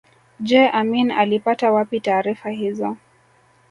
Je Amin alipata wapi taarifa hizo